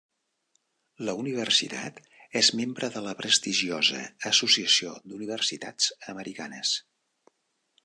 La universitat és membre de la prestigiosa Associació d'Universitats Americanes.